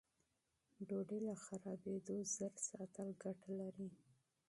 ډوډۍ له خرابېدو ژر ساتل فایده لري.